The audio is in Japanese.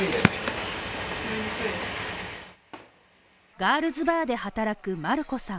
ガールズバーで働くマルコさん